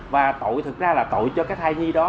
và tội thực ra là tội cho cái thai nhi đó